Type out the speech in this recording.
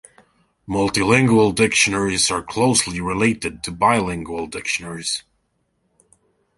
Multilingual dictionaries are closely related to bilingual dictionaries.